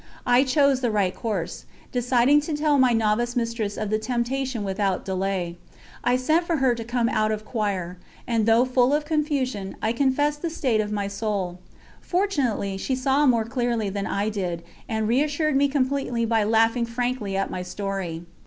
I chose the right course, deciding to tell my Novice Mistress of the temptation without delay. I sent for her to come out of choir, and though full of confusion, I confessed the state of my soul. Fortunately she saw more clearly than I did, and reassured me completely by laughing frankly at my story.